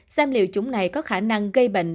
xem liệu chúng này có khả năng gây bệnh